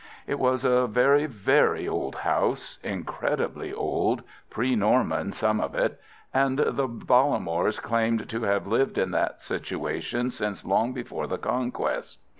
It was a very, very old house, incredibly old—pre Norman, some of it—and the Bollamores claimed to have lived in that situation since long before the Conquest.